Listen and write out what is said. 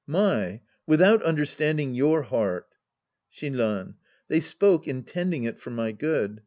My, without understanding your heart ! Shinran. They spoke intending it for my good.